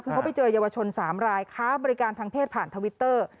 คือเขาไปเจอเยาวชน๓รายค้าบริการทางเพศผ่านทวิตเตอร์